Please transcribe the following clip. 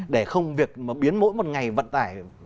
để không việc biến mỗi một ngày vận tải